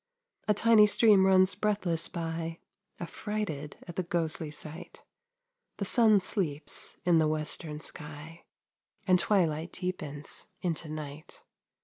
A tiny stream runs breathless by, Affrighted at the ghostly sight; The sun sleeps in the western sky, And twilight deepens into night.